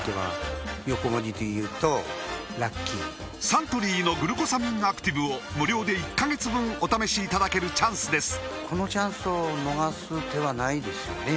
サントリーの「グルコサミンアクティブ」を無料で１カ月分お試しいただけるチャンスです